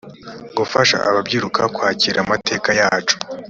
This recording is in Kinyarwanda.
gufasha ababyiruka kwakira amateka yacu